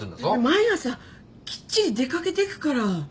毎朝きっちり出掛けてくから。